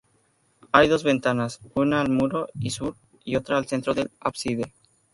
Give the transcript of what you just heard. Hay dos ventanas, una al muro sur y otra al centro del ábside.